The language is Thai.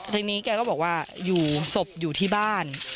ทีนี้แกก็บอกว่าสบอยู่ที่บ้าน